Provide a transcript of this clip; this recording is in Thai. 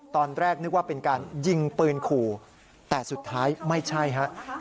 ตอนแรกนึกว่าเป็นการยิงปืนขู่แต่สุดท้ายไม่ใช่ฮะ